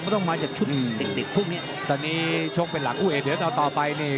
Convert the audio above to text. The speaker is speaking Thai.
ไม่ต้องมาจากชุดเด็กพวกเนี้ยตอนนี้ชกเป็นหลังคู่เอกเดี๋ยวถอดต่อไปเนี้ย